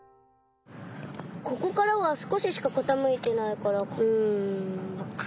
ここからはすこししかかたむいてないからうん。